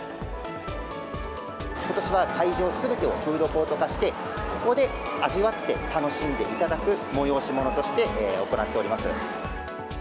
ことしは会場すべてをフードコート化して、ここで味わって、楽しんでいただく催し物として行っております。